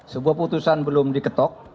sebuah putusan belum diketok